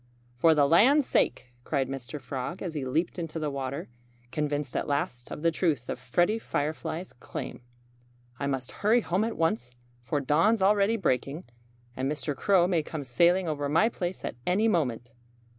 "For the land's sake!" cried Mr. Frog, as he leaped into the water, convinced at last of the truth of Freddie Firefly's claim. "I must hurry home at once, for dawn's already breaking. And Mr. Crow may come sailing over my place at any moment."